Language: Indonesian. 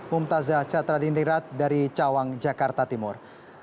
mumtazah catra dinirat dari cawang jakarta timur